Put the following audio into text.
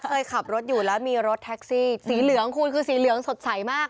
เคยขับรถอยู่แล้วมีรถแท็กซี่สีเหลืองคุณคือสีเหลืองสดใสมาก